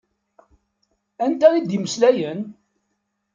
Anta i d-imeslayen?